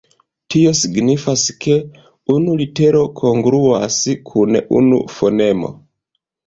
Tio signifas ke unu litero kongruas kun unu fonemo.